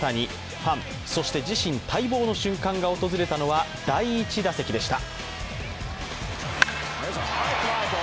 ファン、そして自身、待望の瞬間が訪れたのは第１打席でした。